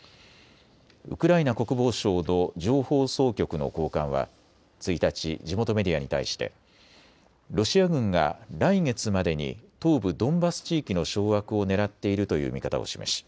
ウクライナ国防省の情報総局の高官は１日、地元メディアに対してロシア軍が来月までに東部ドンバス地域の掌握をねらっているという見方を示し